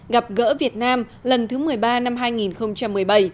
gặp gỡ việt nam lần thứ một mươi ba năm hai nghìn một mươi bảy